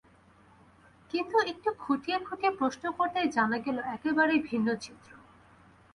কিন্তু, একটু খুঁটিয়ে খুঁটিয়ে প্রশ্ন করতেই জানা গেল একেবারেই ভিন্ন চিত্র।